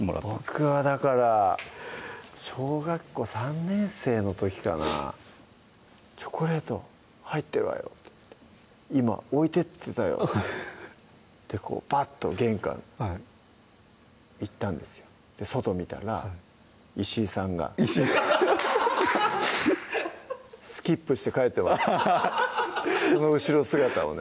僕はだから小学校３年生の時かな「チョコレート入ってるわよ」って「今置いてってたよ」ってバッと玄関行ったんですよ外見たらイシイさんがスキップして帰ってましたその後ろ姿をね